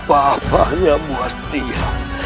tidak ada apa apanya buat dia